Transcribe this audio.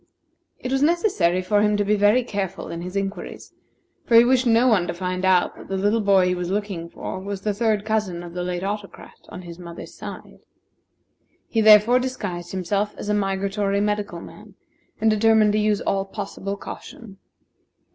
It was necessary for him to be very careful in his inquiries, for he wished no one to find out that the little boy he was looking for was the third cousin of the late Autocrat on the mother's side. He therefore disguised himself as a migratory medical man, and determined to use all possible caution.